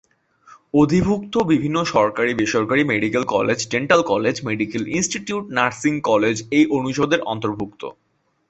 অধিভুক্ত বিভিন্ন সরকারি-বেসরকারী medical college, dental college, medical institute, nursing college এই অনুষদের অন্তর্ভুক্ত।